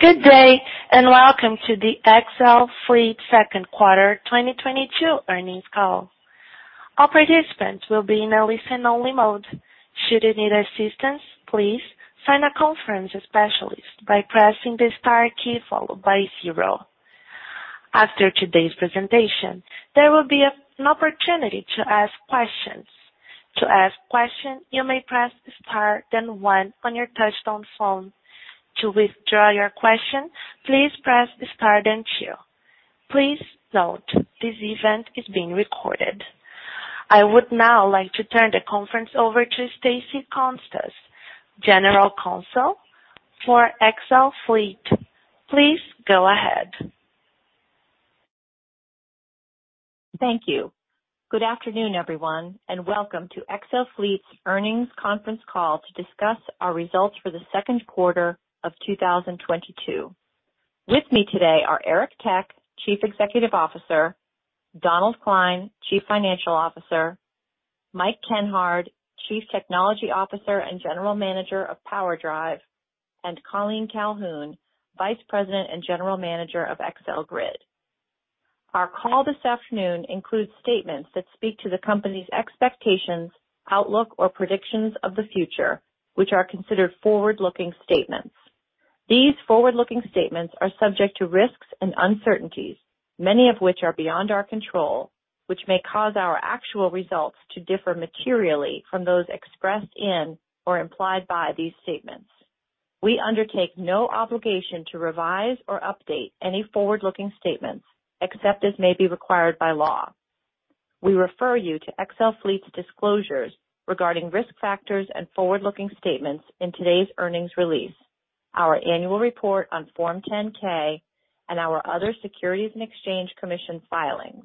Good day, and welcome to the XL Fleet Second Quarter 2022 earnings call. All participants will be in a listen-only mode. Should you need assistance, please contact a conference specialist by pressing the star key followed by zero. After today's presentation, there will be an opportunity to ask questions. To ask a question, you may press star then one on your touch-tone phone. To withdraw your question, please press star then two. Please note, this event is being recorded. I would now like to turn the conference over to Stacey Constas, General Counsel for XL Fleet. Please go ahead. Thank you. Good afternoon, everyone, and welcome to XL Fleet's earnings conference call to discuss our results for the second quarter of 2022. With me today are Eric Tech, Chief Executive Officer, Donald Klein, Chief Financial Officer, Mike Kenhard, Chief Technology Officer and General Manager of Power Drive, and Colleen Calhoun, Vice President and General Manager of XL Grid. Our call this afternoon includes statements that speak to the company's expectations, outlook, or predictions of the future, which are considered forward-looking statements. These forward-looking statements are subject to risks and uncertainties, many of which are beyond our control, which may cause our actual results to differ materially from those expressed in or implied by these statements. We undertake no obligation to revise or update any forward-looking statements except as may be required by law. We refer you to XL Fleet's disclosures regarding risk factors and forward-looking statements in today's earnings release, our annual report on Form 10-K, and our other Securities and Exchange Commission filings.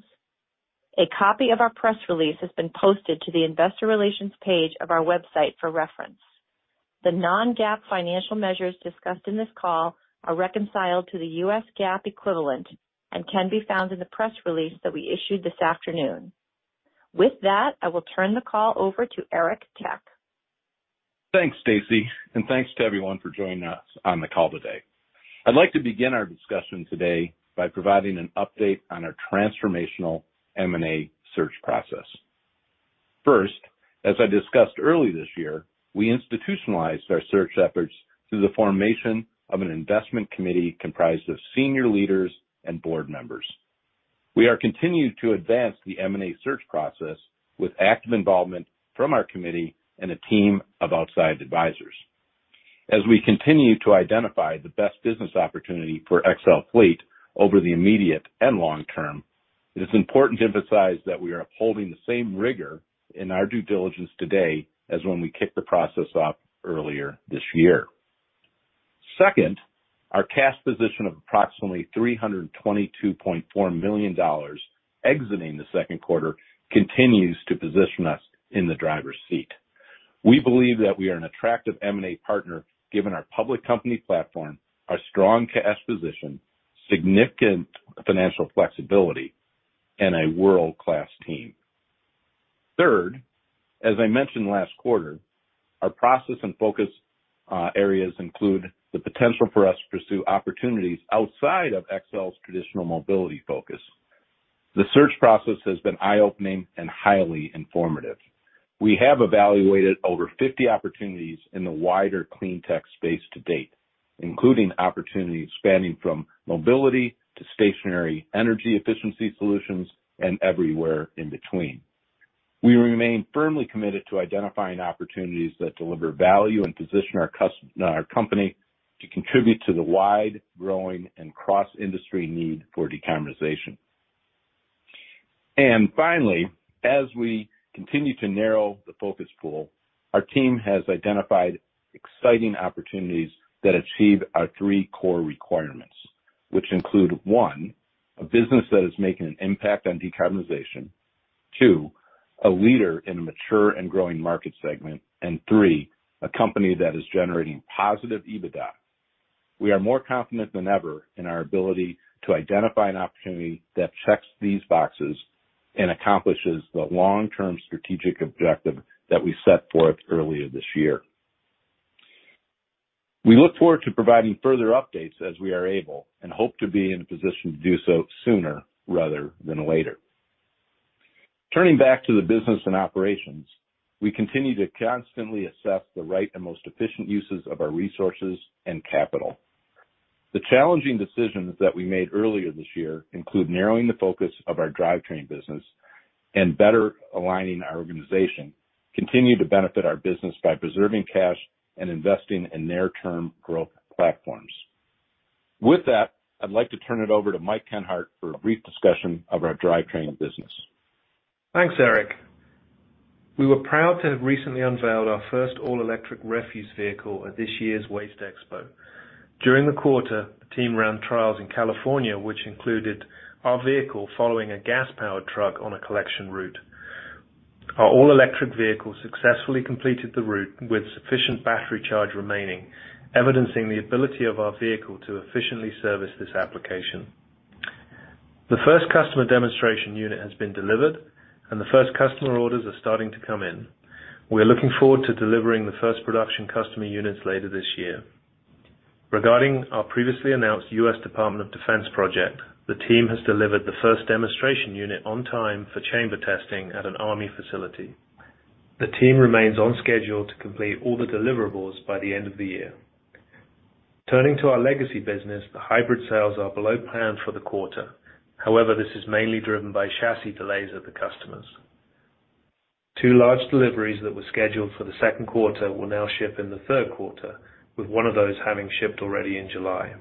A copy of our press release has been posted to the investor relations page of our website for reference. The non-GAAP financial measures discussed in this call are reconciled to the U.S. GAAP equivalent and can be found in the press release that we issued this afternoon. With that, I will turn the call over to Eric Tech. Thanks, Stacy, and thanks to everyone for joining us on the call today. I'd like to begin our discussion today by providing an update on our transformational M&A search process. First, as I discussed early this year, we institutionalized our search efforts through the formation of an investment committee comprised of senior leaders and board members. We are continuing to advance the M&A search process with active involvement from our committee and a team of outside advisors. As we continue to identify the best business opportunity for XL Fleet over the immediate and long term, it is important to emphasize that we are upholding the same rigor in our due diligence today as when we kicked the process off earlier this year. Second, our cash position of approximately $322.4 million exiting the second quarter continues to position us in the driver's seat. We believe that we are an attractive M&A partner given our public company platform, our strong cash position, significant financial flexibility, and a world-class team. Third, as I mentioned last quarter, our process and focus areas include the potential for us to pursue opportunities outside of XL's traditional mobility focus. The search process has been eye-opening and highly informative. We have evaluated over 50 opportunities in the wider clean tech space to date, including opportunities spanning from mobility to stationary energy efficiency solutions and everywhere in between. We remain firmly committed to identifying opportunities that deliver value and position our company to contribute to the wide, growing, and cross-industry need for decarbonization. Finally, as we continue to narrow the focus pool, our team has identified exciting opportunities that achieve our three core requirements, which include, one, a business that is making an impact on decarbonization, two, a leader in a mature and growing market segment, and three, a company that is generating positive EBITDA. We are more confident than ever in our ability to identify an opportunity that checks these boxes and accomplishes the long-term strategic objective that we set forth earlier this year. We look forward to providing further updates as we are able and hope to be in a position to do so sooner rather than later. Turning back to the business and operations, we continue to constantly assess the right and most efficient uses of our resources and capital. The challenging decisions that we made earlier this year include narrowing the focus of our drivetrain business and better aligning our organization, continue to benefit our business by preserving cash and investing in near-term growth platforms. With that, I'd like to turn it over to Mike Kenhard for a brief discussion of our drivetrain business. Thanks, Eric. We were proud to have recently unveiled our first all-electric refuse vehicle at this year's WasteExpo. During the quarter, the team ran trials in California, which included our vehicle following a gas-powered truck on a collection route. Our all-electric vehicle successfully completed the route with sufficient battery charge remaining, evidencing the ability of our vehicle to efficiently service this application. The first customer demonstration unit has been delivered and the first customer orders are starting to come in. We are looking forward to delivering the first production customer units later this year. Regarding our previously announced U.S. Department of Defense project, the team has delivered the first demonstration unit on time for chamber testing at an army facility. The team remains on schedule to complete all the deliverables by the end of the year. Turning to our legacy business, the hybrid sales are below plan for the quarter. However, this is mainly driven by chassis delays of the customers. Two large deliveries that were scheduled for the second quarter will now ship in the third quarter, with one of those having shipped already in July.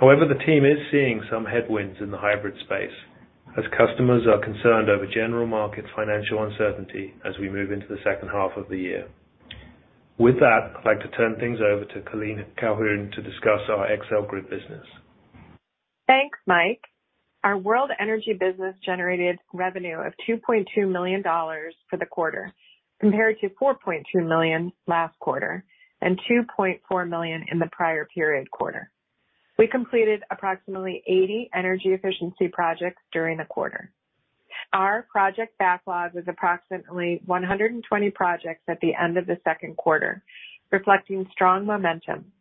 However, the team is seeing some headwinds in the hybrid space as customers are concerned over general market financial uncertainty as we move into the second half of the year. With that, I'd like to turn things over to Colleen Calhoun to discuss our XL Grid business. Thanks, Mike. Our World Energy business generated revenue of $2.2 million for the quarter compared to $4.2 million last quarter and $2.4 million in the prior period quarter. We completed approximately 80 energy efficiency projects during the quarter. Our project backlog is approximately 120 projects at the end of the second quarter, reflecting strong momentum.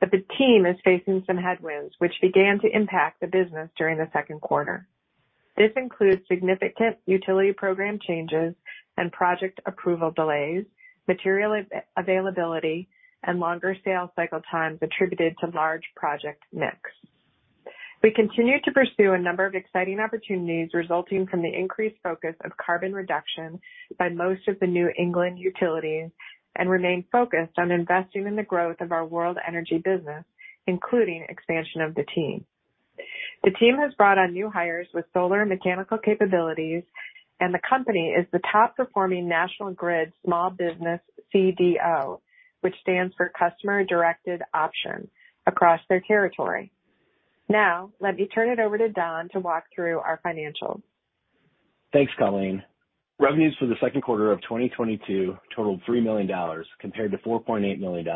The team is facing some headwinds, which began to impact the business during the second quarter. This includes significant utility program changes and project approval delays, material availability, and longer sales cycle times attributed to large project mix. We continue to pursue a number of exciting opportunities resulting from the increased focus of carbon reduction by most of the New England utilities and remain focused on investing in the growth of our World Energy business, including expansion of the team. The team has brought on new hires with solar and mechanical capabilities, and the company is the top performing National Grid small business CDO, which stands for Customer Directed Option, across their territory. Now, let me turn it over to Don to walk through our financials. Thanks, Colleen. Revenues for the second quarter of 2022 totaled $3 million compared to $4.8 million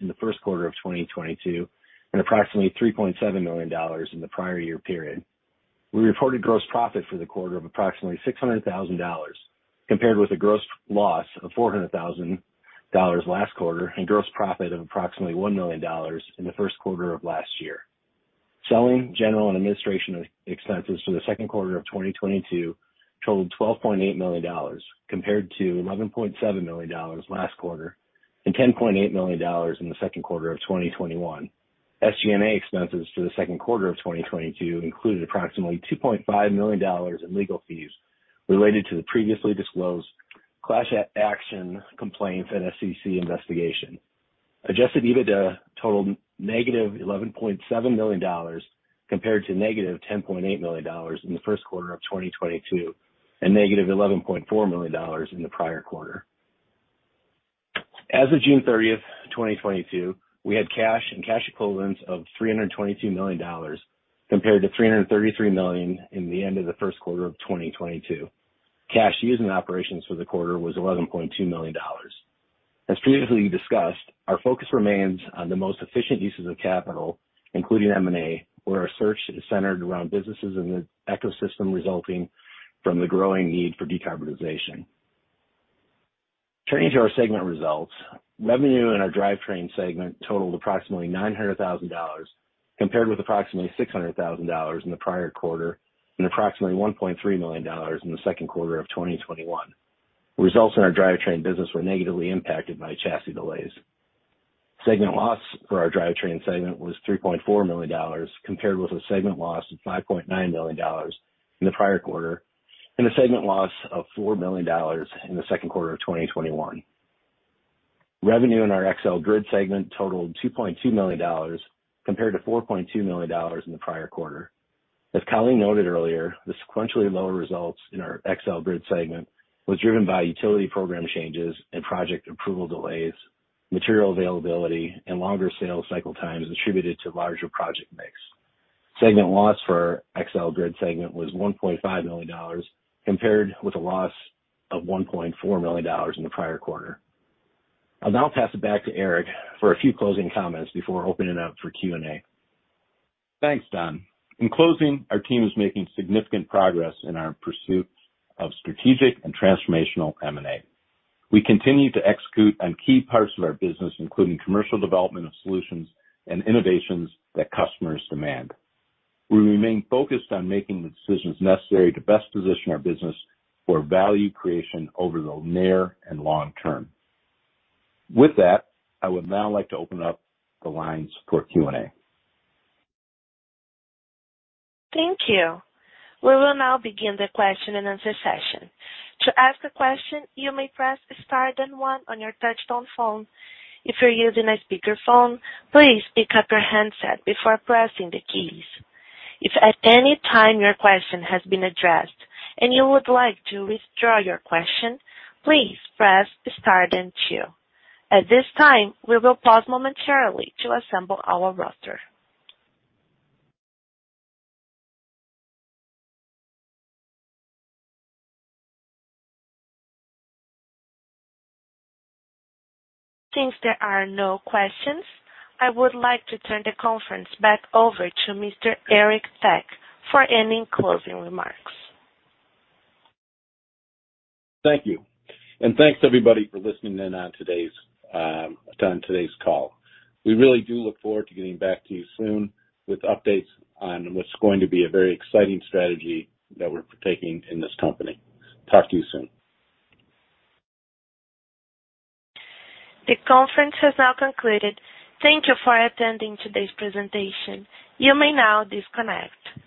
in the first quarter of 2022 and approximately $3.7 million in the prior year period. We reported gross profit for the quarter of approximately $600 thousand, compared with a gross loss of $400 thousand last quarter and gross profit of approximately $1 million in the first quarter of last year. Selling, general, and administrative expenses for the second quarter of 2022 totaled $12.8 million, compared to $11.7 million last quarter and $10.8 million in the second quarter of 2021. SG&A expenses for the second quarter of 2022 included approximately $2.5 million in legal fees related to the previously disclosed class action complaint and SEC investigation. Adjusted EBITDA totaled -$11.7 million, compared to -$10.8 million in the first quarter of 2022 and -$11.4 million in the prior quarter. As of June 30, 2022, we had cash and cash equivalents of $322 million, compared to $333 million at the end of the first quarter of 2022. Cash used in operations for the quarter was $11.2 million. As previously discussed, our focus remains on the most efficient uses of capital, including M&A, where our search is centered around businesses in the ecosystem resulting from the growing need for decarbonization. Turning to our segment results, revenue in our drivetrain segment totaled approximately $900,000, compared with approximately $600,000 in the prior quarter and approximately $1.3 million in the second quarter of 2021. Results in our drivetrain business were negatively impacted by chassis delays. Segment loss for our drivetrain segment was $3.4 million, compared with a segment loss of $5.9 million in the prior quarter and a segment loss of $4 million in the second quarter of 2021. Revenue in our XL Grid segment totaled $2.2 million compared to $4.2 million in the prior quarter. As Colleen noted earlier, the sequentially lower results in our XL Grid segment was driven by utility program changes and project approval delays, material availability, and longer sales cycle times attributed to larger project mix. Segment loss for XL Grid segment was $1.5 million, compared with a loss of $1.4 million in the prior quarter. I'll now pass it back to Eric for a few closing comments before opening up for Q&A. Thanks, Don. In closing, our team is making significant progress in our pursuit of strategic and transformational M&A. We continue to execute on key parts of our business, including commercial development of solutions and innovations that customers demand. We remain focused on making the decisions necessary to best position our business for value creation over the near and long term. With that, I would now like to open up the lines for Q&A. Thank you. We will now begin the question and answer session. To ask a question, you may press star then one on your touchtone phone. If you're using a speaker phone, please pick up your handset before pressing the keys. If at any time your question has been addressed and you would like to withdraw your question, please press star then two. At this time, we will pause momentarily to assemble our roster. Since there are no questions, I would like to turn the conference back over to Mr. Eric Tech for any closing remarks. Thank you. Thanks everybody for listening in on today's call. We really do look forward to getting back to you soon with updates on what's going to be a very exciting strategy that we're partaking in this company. Talk to you soon. The conference has now concluded. Thank you for attending today's presentation. You may now disconnect.